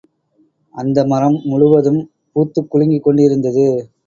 அந்த மரம் முழுவதும் பூத்துக் குலுங்கிக் கொண்டிருந்தது.